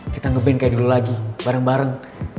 kita nge band kayak dulu lagi bareng bareng